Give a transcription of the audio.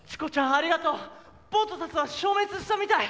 ありがとうボートサスは消滅したみたい。